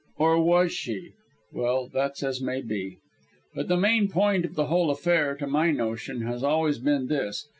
Or was she well, that's as may be. But the main point of the whole affair, to my notion, has always been this.